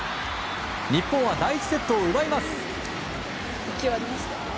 日本は第１セットを奪います。